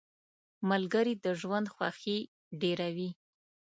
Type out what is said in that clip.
• ملګري د ژوند خوښي ډېروي.